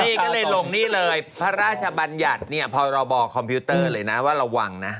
นี่ก็เลยลงนี่เลยพระราชบัญญัติเนี่ยพรบคอมพิวเตอร์เลยนะว่าระวังนะ